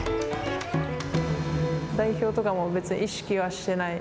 代表とかも別に意識はしてない？